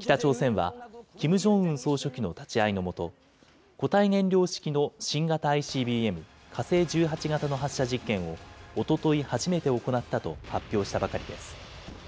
北朝鮮は、キム・ジョンウン総書記の立ち会いの下、固体燃料式の新型ＩＣＢＭ火星１８型の発射実験をおととい、初めて行ったと発表したばかりです。